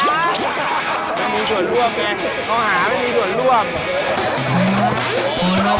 มันมีส่วนร่วมเนี่ยเขาหาไม่มีส่วนร่วม